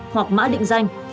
hoặc mã định danh